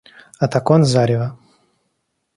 От окон зарево.